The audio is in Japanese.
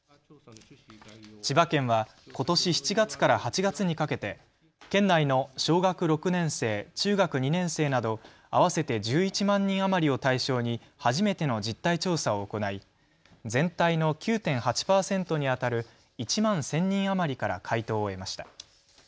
千葉県はことし７月から８月にかけて県内の小学６年生、中学２年生など合わせて１１万人余りを対象に初めての実態調査を行い、全体の９．８％にあたる１万１０００人余りから回答を得ました。